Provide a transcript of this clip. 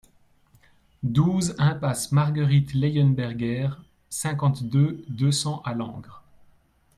douze impasse Marguerite Leyenberger, cinquante-deux, deux cents à Langres